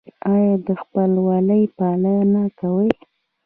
ایا د خپلوۍ پالنه کوئ؟